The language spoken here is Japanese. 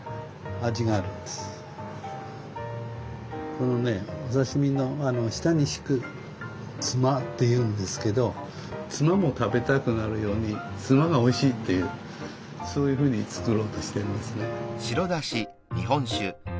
このねお刺身の下に敷くつまっていうんですけどつまも食べたくなるようにつまがおいしいっていうそういうふうに作ろうとしてるんですね。